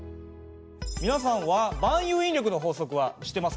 皆さんは万有引力の法則は知ってますか？